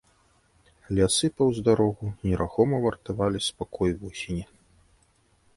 Лясы паўз дарогу нерухома вартавалі спакой восені.